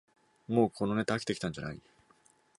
もうこのネタ飽きてきたんじゃない